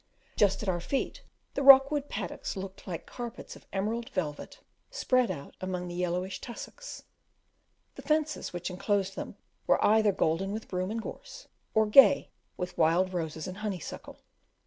Just at our feet the Rockwood paddocks looked like carpets of emerald velvet, spread out among the yellowish tussocks; the fences which enclose them were either golden with broom and gorse, or gay with wild roses and honeysuckle.